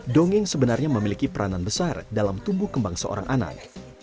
dongeng sebenarnya memiliki peranan besar dalam tumbuh kembang seorang anak